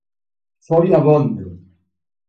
Foi abondo.